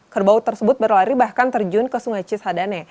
kerbau tersebut berlari bahkan terjun ke sungai cisadane